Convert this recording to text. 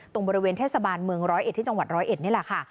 ตรงบริเวณเทศบาลเมือง๑๐๑ที่จังหวัด๑๐๑นี่แหละค่ะ